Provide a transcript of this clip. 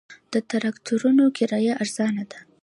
د تراکتورونو کرایه ارزانه ده